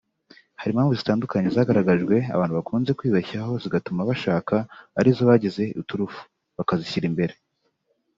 Hari impamvu zitandukanye zagaragajwe abantu bakunze kwibeshyaho zigatuma bashaka ari zo bagize iturufu (bakazishyira imbere)